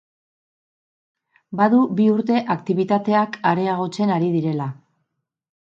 Badu bi urte aktibitateak areagotzen ari direla.